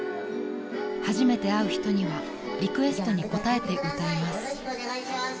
［初めて会う人にはリクエストに応えて歌います］